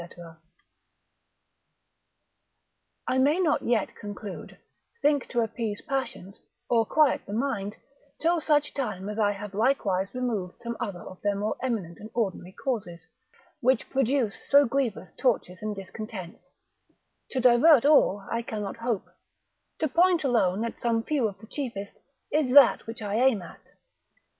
_ I may not yet conclude, think to appease passions, or quiet the mind, till such time as I have likewise removed some other of their more eminent and ordinary causes, which produce so grievous tortures and discontents: to divert all, I cannot hope; to point alone at some few of the chiefest, is that which I aim at.